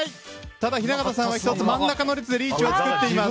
ただ雛形さんは１つ真ん中の列でリーチを作っています。